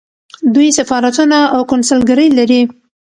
دوی سفارتونه او کونسلګرۍ لري.